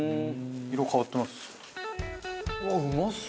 色変わってます。